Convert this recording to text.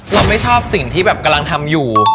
เราไม่ชอบสิ่งที่แบบกำลังทำอยู่